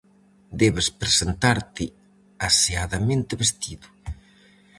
Debes presentarte aseadamente vestido.